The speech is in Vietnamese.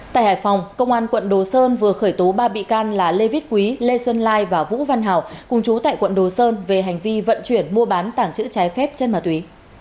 tại hải phòng công an quận đồ sơn vừa khởi tố ba bị can là lê viết quý lê xuân lai và vũ văn hảo cùng chú tại quận đồ sơn về hành vi vận chuyển mua bán tảng chữ trái phép chân ma túy